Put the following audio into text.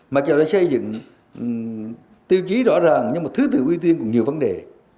mà giờ đã xây dựng tiêu chí rõ ràng nhưng mà thứ tư uy tiên còn nhiều vấn đề